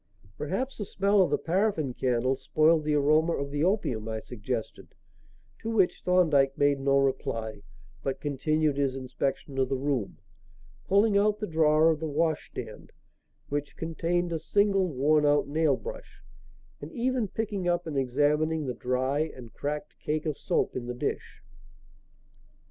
"Perhaps the smell of the paraffin candle spoiled the aroma of the opium," I suggested; to which Thorndyke made no reply but continued his inspection of the room, pulling out the drawer of the washstand which contained a single, worn out nail brush and even picking up and examining the dry and cracked cake of soap in the dish.